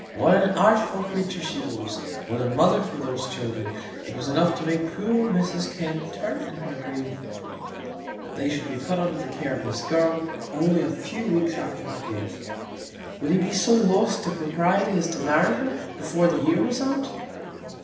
What an artful creature she was! What a mother for those children! It was enough to make poor Mrs Kenn turn in her grave, that they should be put under the care of this girl only a few weeks after her death. Would he be so lost to propriety as to marry her before the year was out?